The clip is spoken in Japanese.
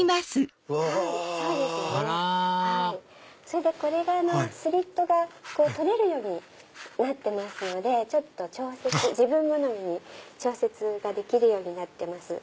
それでこれがスリットが取れるようになってますので自分好みに調節ができるようになってます。